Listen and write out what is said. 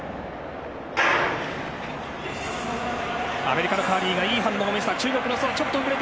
アメリカのカーリーがいい反応を見せた。